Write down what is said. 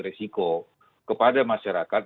risiko kepada masyarakat